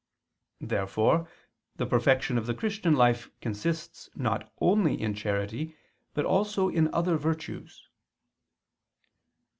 Therefore the perfection of the Christian life consists not only in charity, but also in other virtues.